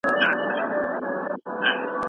ايا فلسفه پخوا ټول علوم په غېږ کي نيولي وو؟